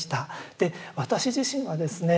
で私自身はですね